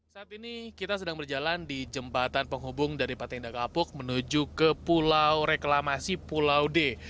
saat ini kita sedang berjalan di jembatan penghubung dari patenda kapuk menuju ke pulau reklamasi pulau d